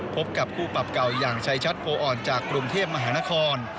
พบกับคู่ปรับเก่าอย่างชัยชัดโพอ่อนจากกรุงเทพมหานคร